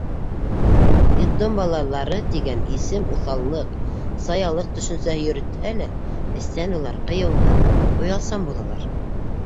«Детдом балалары» тигән исем уҫаллыҡ, саялыҡ төшөнсәһе йөрөтһә лә, эстән улар ҡыйыуһыҙ, оялсан булалар.